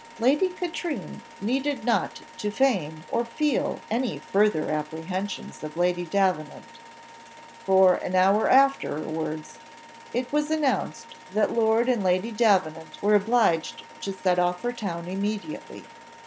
Lady Katrine needed not to feign or feel any further apprehensions of Lady Davenant; for, an hour afterwards, it was announced that Lord and Lady Davenant were obliged to set off for town immediately.